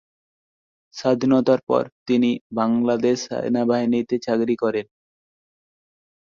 স্বাধীনতার পর তিনি বাংলাদেশ সেনাবাহিনীতে চাকরি করেন।